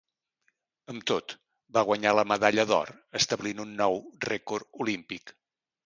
Amb tot, va guanyar la medalla d'or, establint un nou rècord olímpic.